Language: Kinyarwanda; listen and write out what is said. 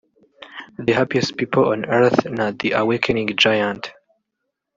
‘The Happiest People on Earth’ na ‘The awakening giant’